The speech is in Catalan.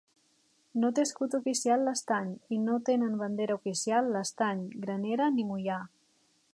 No té escut oficial l'Estany, i no tenen bandera oficial l'Estany, Granera ni Moià.